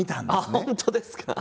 ああ本当ですか！